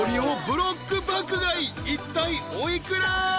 ［いったいお幾ら？］